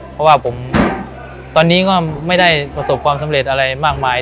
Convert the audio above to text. เพราะว่าผมตอนนี้ก็ไม่ได้ประสบความสำเร็จอะไรมากมาย